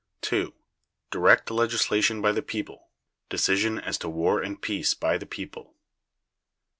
2. Direct legislation by the people; decision as to war and peace by the people.